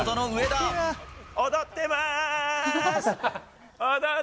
踊ってまーす。